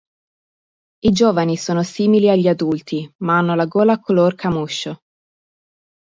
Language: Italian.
I giovani sono simili agli adulti, ma hanno la gola color camoscio.